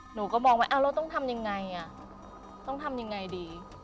หนูก็มองว่าเราต้องทำยังไงต้องทำยังไงดี